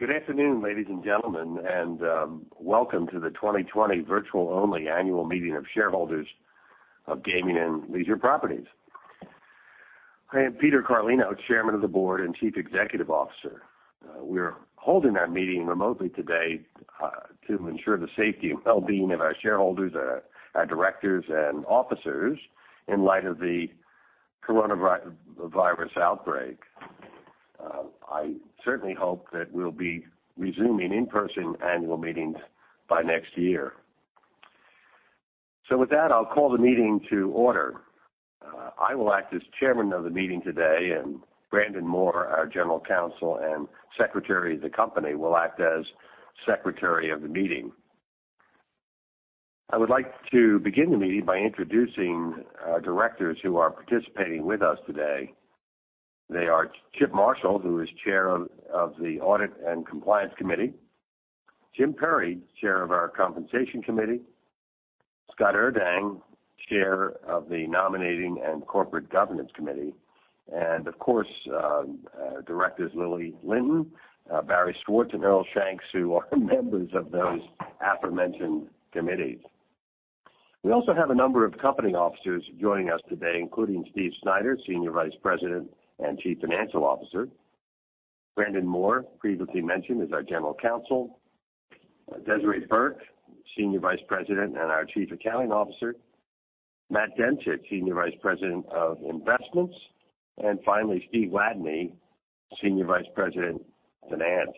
Good afternoon, ladies and gentlemen, and welcome to the 2020 virtual only annual meeting of shareholders of Gaming and Leisure Properties. I am Peter Carlino, Chairman of the Board and Chief Executive Officer. We're holding our meeting remotely today to ensure the safety and wellbeing of our shareholders, our directors and officers in light of the coronavirus outbreak. I certainly hope that we'll be resuming in-person annual meetings by next year. With that, I'll call the meeting to order. I will act as chairman of the meeting today, and Brandon Moore, our General Counsel and Secretary of the company, will act as secretary of the meeting. I would like to begin the meeting by introducing our directors who are participating with us today. They are Chip Marshall, who is Chair of the Audit and Compliance Committee, Jim Perry, Chair of our Compensation Committee, Scott Urdang, Chair of the Nominating and Corporate Governance Committee, and of course, Directors Lili Lynton, Barry Schwartz, and Earl Shanks, who are members of those aforementioned committees. We also have a number of company officers joining us today, including Steve Snyder, Senior Vice President and Chief Financial Officer, Brandon Moore, previously mentioned, is our General Counsel, Desiree Burke, Senior Vice President and our Chief Accounting Officer, Matt Demchyk, Senior Vice President of Investments, and finally, Steve Ladany, Senior Vice President, Finance.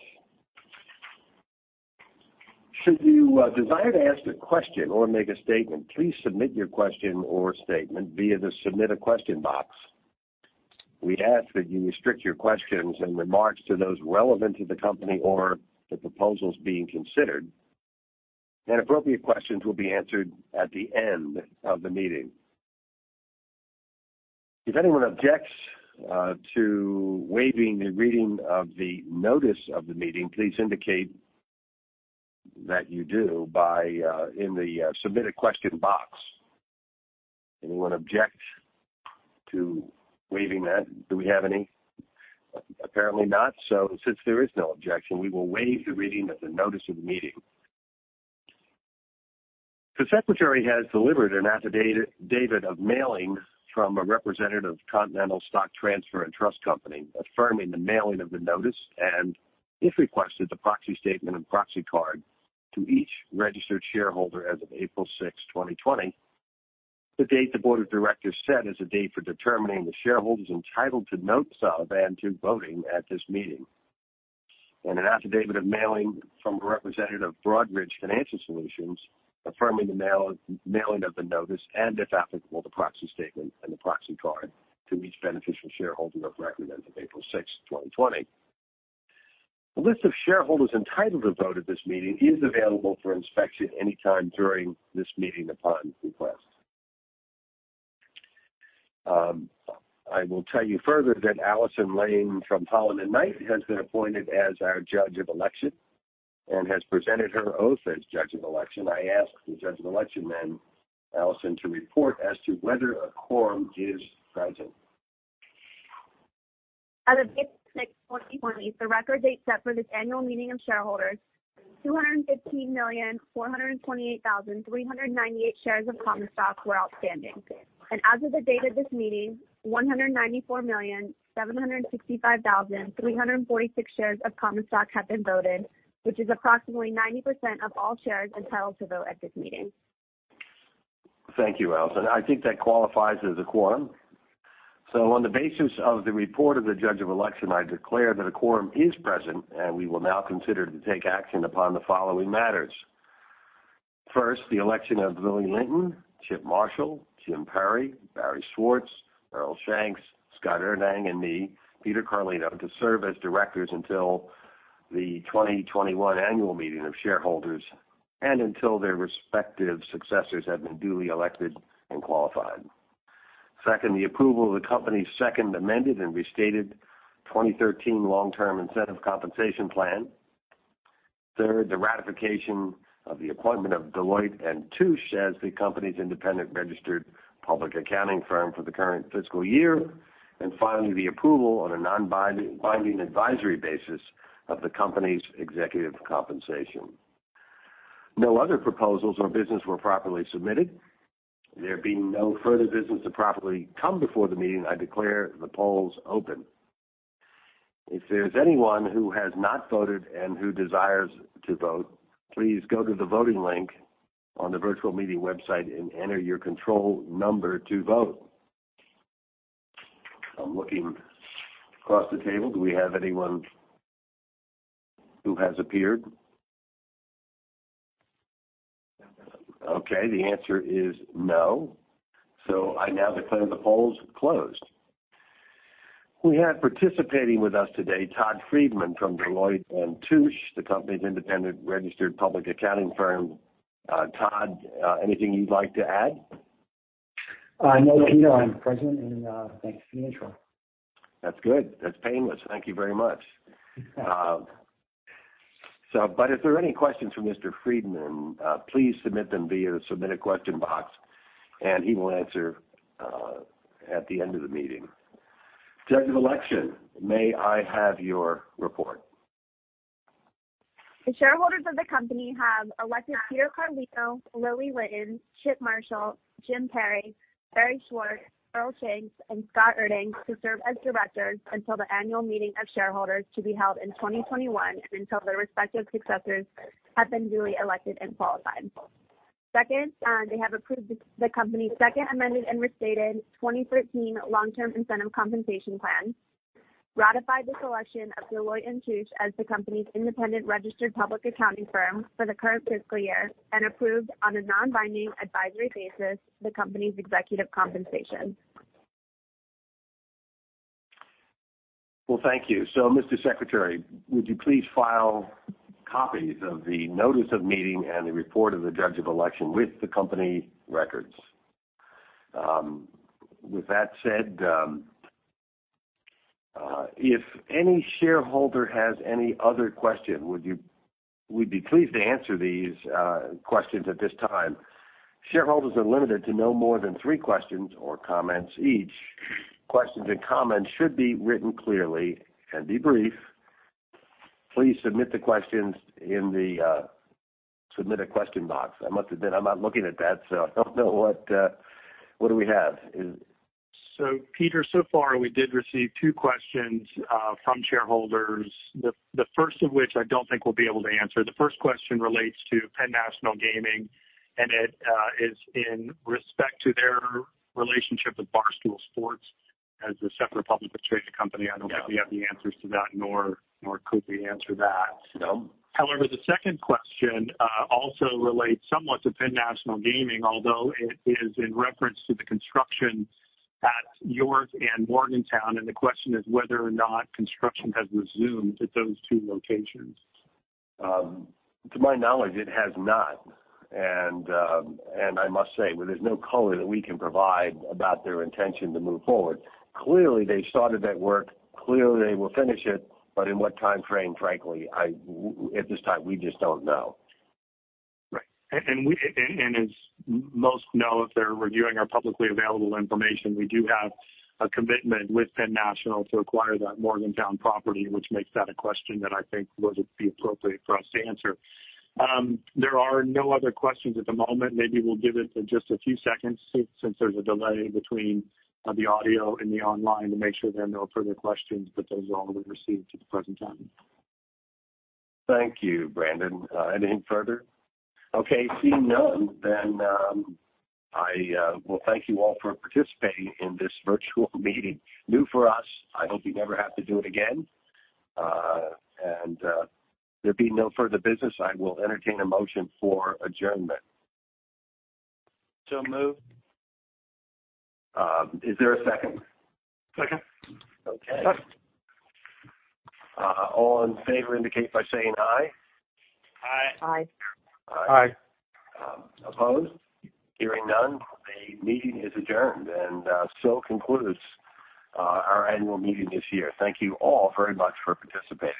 Should you desire to ask a question or make a statement, please submit your question or statement via the Submit a Question box. We ask that you restrict your questions and remarks to those relevant to the company or the proposals being considered, and appropriate questions will be answered at the end of the meeting. If anyone objects to waiving the reading of the notice of the meeting, please indicate that you do in the Submit a Question box. Anyone object to waiving that? Do we have any? Apparently not. Since there is no objection, we will waive the reading of the notice of the meeting. The Secretary has delivered an affidavit of mailing from a representative of Continental Stock Transfer & Trust Company, affirming the mailing of the notice, and, if requested, the proxy statement and proxy card to each registered shareholder as of April 6, 2020, the date the Board of Directors set as the date for determining the shareholders entitled to notice of and to voting at this meeting. An affidavit of mailing from a representative of Broadridge Financial Solutions affirming the mailing of the notice and, if applicable, the proxy statement and the proxy card to each beneficial shareholder of record as of April 6, 2020. A list of shareholders entitled to vote at this meeting is available for inspection anytime during this meeting upon request. I will tell you further that Allison Lane from Holland & Knight has been appointed as our Judge of Election and has presented her oath as Judge of Election. I ask the Judge of Election then, Allison, to report as to whether a quorum is present. As of April 6, 2020, the record date set for this annual meeting of shareholders, 215,428,398 shares of common stock were outstanding. As of the date of this meeting, 194,765,346 shares of common stock have been voted, which is approximately 90% of all shares entitled to vote at this meeting. Thank you, Allison. I think that qualifies as a quorum. On the basis of the report of the Judge of Election, I declare that a quorum is present, and we will now consider to take action upon the following matters. First, the election of Lili Lynton, Chip Marshall, Jim Perry, Barry Schwartz, Earl Shanks, Scott Urdang, and me, Peter Carlino, to serve as directors until the 2021 annual meeting of shareholders and until their respective successors have been duly elected and qualified. Second, the approval of the company's second amended and restated 2013 long-term incentive compensation plan. Third, the ratification of the appointment of Deloitte & Touche as the company's independent registered public accounting firm for the current fiscal year. Finally, the approval on a non-binding advisory basis of the company's executive compensation. No other proposals or business were properly submitted. There being no further business to properly come before the meeting, I declare the polls open. If there's anyone who has not voted and who desires to vote, please go to the voting link on the virtual meeting website and enter your control number to vote. I'm looking across the table. Do we have anyone who has appeared? Okay, the answer is no. I now declare the polls closed. We have participating with us today Todd Friedman from Deloitte & Touche, the company's independent registered public accounting firm. Todd, anything you'd like to add? No, Peter, I'm present, and thanks for the intro. That's good. That's painless. Thank you very much. If there are any questions for Mr. Friedman, please submit them via the Submit a Question box, and he will answer at the end of the meeting. Judge of Election, may I have your report? The shareholders of the company have elected Peter Carlino, Lili Litten, Chip Marshall, Jim Perry, Barry Schwartz, Earl Shanks, and Scott Urdang to serve as directors until the annual meeting of shareholders to be held in 2021, and until their respective successors have been duly elected and qualified. Second, they have approved the company's second amended and restated 2013 long-term incentive compensation plan, ratified the selection of Deloitte & Touche as the company's independent registered public accounting firm for the current fiscal year, and approved on a non-binding advisory basis the company's executive compensation. Well, thank you. Mr. Secretary, would you please file copies of the notice of meeting and the report of the Judge of Election with the company records? With that said, if any shareholder has any other question, we'd be pleased to answer these questions at this time. Shareholders are limited to no more than three questions or comments each. Questions and comments should be written clearly and be brief. Please submit the questions in the Submit a Question box. I must admit, I'm not looking at that. I don't know what do we have. Peter, so far we did receive two questions from shareholders. The first of which I don't think we'll be able to answer. The first question relates to Penn National Gaming, it is in respect to their relationship with Barstool Sports as a separate publicly traded company. I don't know if we have the answers to that nor could we answer that. No. The second question also relates somewhat to Penn National Gaming, although it is in reference to the construction at York and Morgantown, and the question is whether or not construction has resumed at those two locations? To my knowledge, it has not. I must say, there's no color that we can provide about their intention to move forward. Clearly, they started that work. Clearly, they will finish it. In what timeframe? Frankly, at this time, we just don't know. Right. As most know, if they're reviewing our publicly available information, we do have a commitment with Penn National to acquire that Morgantown property, which makes that a question that I think wouldn't be appropriate for us to answer. There are no other questions at the moment. Maybe we'll give it just a few seconds since there's a delay between the audio and the online to make sure there are no further questions. Those are all that we received at the present time. Thank you, Brandon. Anything further? Okay. Seeing none, I will thank you all for participating in this virtual meeting. New for us. I hope we never have to do it again. There being no further business, I will entertain a motion for adjournment. Moved. Is there a second? Second. Okay. All in favor indicate by saying aye. Aye. Aye. Aye. Aye. Opposed? Hearing none, the meeting is adjourned, and so concludes our annual meeting this year. Thank you all very much for participating.